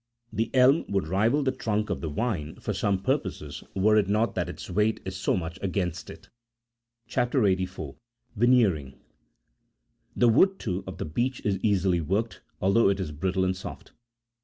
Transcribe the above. The elm would rival the trunk of the vine50 for some purposes, were it not that its weight is so much against it. CHAP. 84. VENEERING. The wood, too, of the beech is easily worked, although it is brittle and soft.